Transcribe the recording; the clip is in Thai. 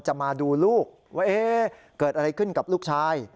จะมาดูลูกว่าเกิดอะไรขึ้นกับลูกชาย